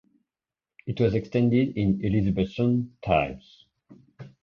It was extended in Elizabethan times.